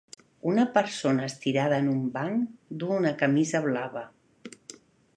Una persona estirada en un banc duu una camisa blava.